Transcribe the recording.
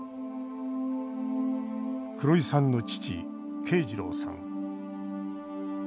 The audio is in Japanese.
黒井さんの父・慶次郎さん。